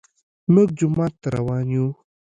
موږ جومات ته روان يو